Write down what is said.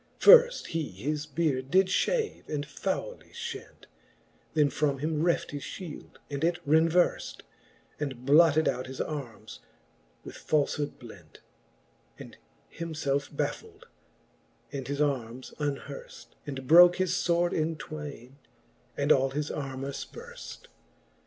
Firft he his beard did fhave, and fowly flient : Then from him reft his fhield, and it renverft, And blotted out his armes with falfhood blent, And himfelfe baffuld, and his armes unherft, And broke his fword in twaine, and all his armour fperflr.